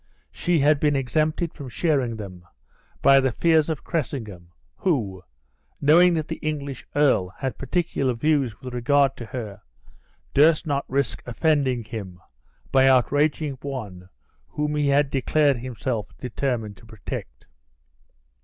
She had been exempted from sharing them by the fears of Cressingham, who, knowing that the English earl had particular views with regard to her, durst not risk offending him by outraging one whom he had declared himself determined to protect.